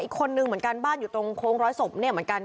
อีกคนนึงเหมือนกันบ้านอยู่ตรงโค้งร้อยศพเนี่ยเหมือนกัน